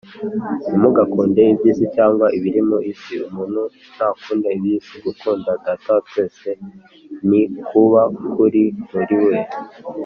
Ntimugakunde iby’isi cyangwa ibiri mu isi. Umuntu nakunda iby’isi, gukunda Data wa twese ntikuba kuri muri we